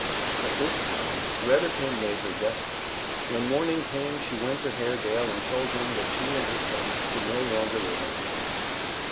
But this time dread of him made her desperate. When morning came she went to Haredale and told him that she and her son could no longer live on his bounty.